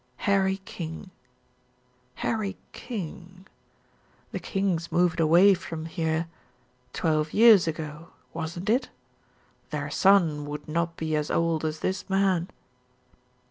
Harry King Harry King, the Kings moved away from here twelve years ago wasn't it? Their son would not be as old as this man."